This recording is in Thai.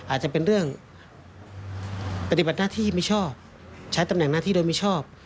อาจจะเป็นเรื่องปฏิบัติหน้าที่ไม่ชอบใช้ตำแหน่งหน้าที่โดยมิชอบ